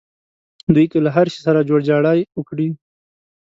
دوی که له هر شي سره جوړجاړی وکړي.